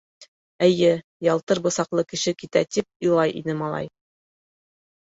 — Эйе, ялтыр бысаҡлы кеше китә, тип илай ине малай.